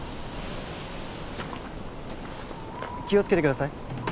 気をつけてください。